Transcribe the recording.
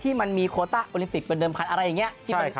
ที่มันมีโคต้อลิมปิกเป็นเดิมคันอะไรอย่างนี้